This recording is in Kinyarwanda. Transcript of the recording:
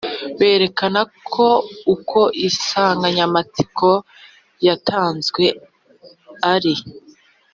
Berekana ko uko insanganyamatsiko yatanzwe ari